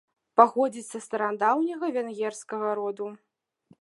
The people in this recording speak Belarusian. Паходзіць са старадаўняга венгерскага роду.